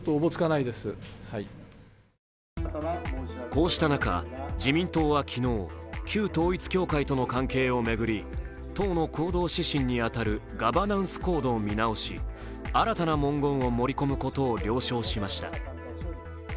こうした中、自民党は昨日、旧統一教会との関係を巡り党の行動指針に当たるガバナンスコードを見直し新たな文言を盛り込むことを了承しました。